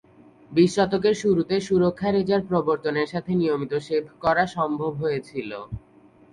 বিশ শতকের শুরুতে সুরক্ষা রেজার প্রবর্তনের সাথে নিয়মিত শেভ করা সম্ভব হয়েছিল।